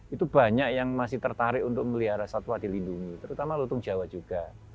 itu banyak yang masih tertarik untuk melihara satwa dilindungi terutama lutung jawa juga